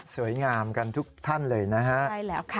สวยงามกันทุกท่านเลยนะฮะ